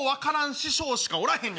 師匠しかおらへん。